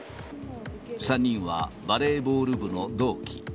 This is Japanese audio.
３人はバレーボール部の同期。